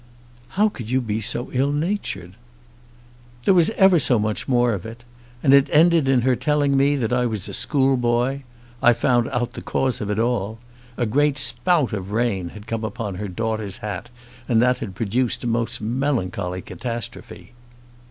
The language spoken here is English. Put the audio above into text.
"How could you be so ill natured?" "There was ever so much more of it. And it ended in her telling me that I was a schoolboy. I found out the cause of it all. A great spout of rain had come upon her daughter's hat, and that had produced a most melancholy catastrophe."